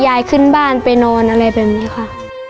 ยายขึ้นบ้านไปนอนอะไรแบบนี้ค่ะ